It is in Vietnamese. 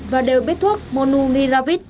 và đều biết thuốc monunpiravir